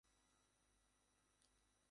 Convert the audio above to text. এরপর সে ট্রেনে কানের উদ্দেশ্যে যাত্রা শুরু করে।